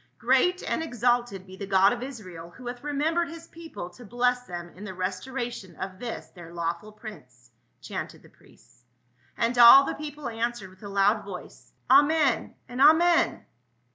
" Great and exalted be the God of Israel, who hath remembered his people to bless them in the restora tion of this their lawful prince !" chanted the priests. And all the people answered with a loud voice, "Amen, and Amen